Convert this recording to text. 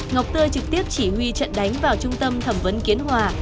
ngọc tươi trực tiếp chỉ huy trận đánh vào trung tâm thẩm vấn kiến hòa